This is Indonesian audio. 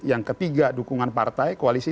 yang ketiga dukungan partai koalisi